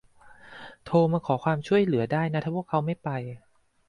โทรมาขอความช่วยเหลือได้นะถ้าพวกเขาไม่ไป